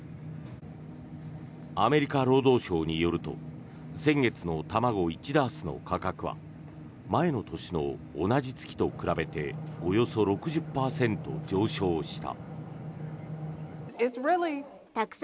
アメリカ労働省によると先月の卵１ダースの価格は前の年の同じ月と比べておよそ６０％上昇した。